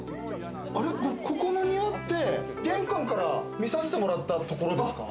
ここの庭って玄関から見させてもらったところですか？